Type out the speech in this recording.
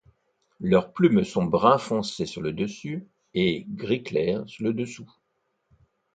Leurs plumes sont brun foncé sur le dessus et gris clair sur le dessous.